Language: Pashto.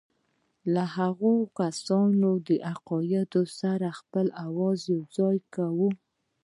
له هغو کسانو او عقایدو سره خپل آواز یوځای کوو.